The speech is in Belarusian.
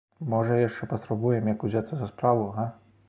Можа, яшчэ паспрабуем як узяцца за справу, га?